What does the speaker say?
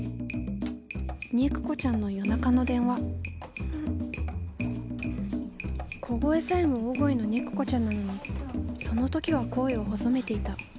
肉子ちゃんの夜中の電話小声さえも大声の肉子ちゃんなのにその時は声を細めていた。